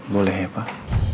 boleh ya pak